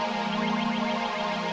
sampai jumpa lagi